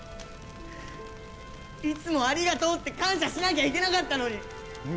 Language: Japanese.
いつもありがとうって感謝しなきゃいけなかったのに。